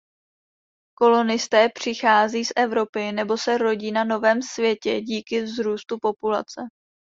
Kolonisté přichází z Evropy nebo se rodí na Novém Světě díky vzrůstu populace.